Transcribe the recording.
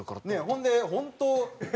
ほんで本当。